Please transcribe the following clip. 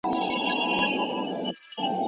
- ښاغلیه ته پوهېږې،